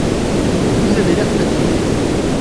Vous avez l’air fatigué.